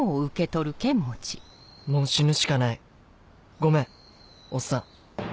「もう死ぬしかないごめんおっさん」。